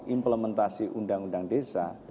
implementasi undang undang desa